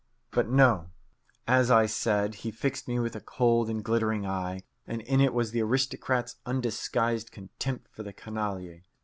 But no. As I said, he fixed me with a cold and glittering eye, and in it was the aristocrat's undisguised contempt for the canaille.